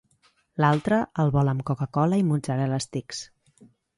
L'altre el vol amb coca-cola i mozzarella sticks.